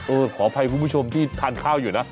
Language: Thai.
ขออภัยคุณผู้ชมที่ทานข้าวอยู่นะ